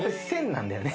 １０００なんだよね。